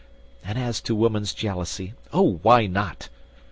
And as to woman's jealousy, O why not?